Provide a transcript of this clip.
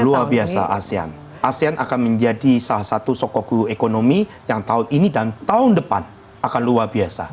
luar biasa asean asean akan menjadi salah satu sokoklu ekonomi yang tahun ini dan tahun depan akan luar biasa